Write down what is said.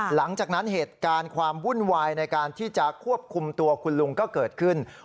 หลังจากนั้นเหตุการณ์ความวุ่นวายในการที่จะควบคุมตัวคุณลุงก็เกิดขึ้น